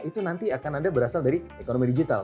itu nanti akan ada berasal dari ekonomi digital